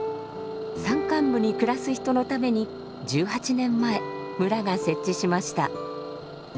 山間部に暮らす人のために１８年前村が設置しました。